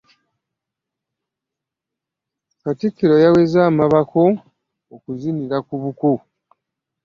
Katikkiro yaweze omabako okuzinira ku buko.